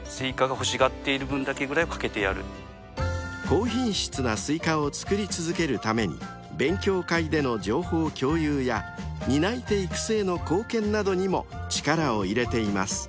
［高品質なスイカを作り続けるために勉強会での情報共有や担い手育成の貢献などにも力を入れています］